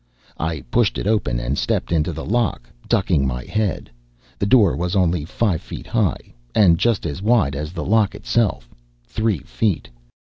I pushed it open and stepped into the lock, ducking my head. The door was only five feet high, and just as wide as the lock itself, three feet.